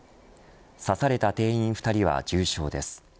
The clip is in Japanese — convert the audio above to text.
刺された店員２人は重傷です。